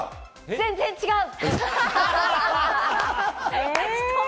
全然違う。